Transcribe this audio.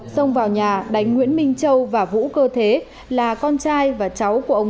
xông vào nhà đánh nguyễn minh châu và vũ cơ thế là con trai và cháu của ông